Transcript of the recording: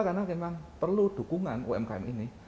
karena memang perlu dukungan umkm ini